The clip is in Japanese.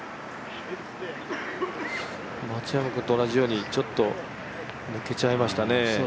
松山君と同じようにちょっと抜けちゃいましたね。